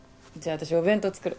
私お弁当作る。